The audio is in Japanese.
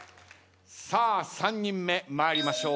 さあ３人目参りましょう。